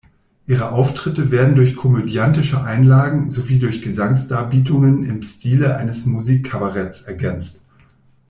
Ihre Auftritte werden durch komödiantische Einlagen sowie durch Gesangsdarbietungen im Stile eines Musik-Kabaretts ergänzt.